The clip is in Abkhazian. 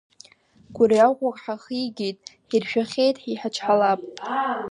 Гәырҩа ӷәӷәак ҳахигеит, ҳиршәахьеит, иҳачҳалап…